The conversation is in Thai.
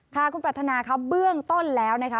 ค่ะคุณปรัฐนาค่ะเบื้องต้นแล้วนะคะ